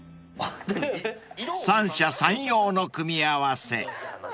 ［三者三様の組み合わせ］